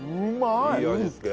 いい味付け。